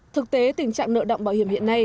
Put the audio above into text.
thực tế tình trạng nợ động bảo hiểm hiện nay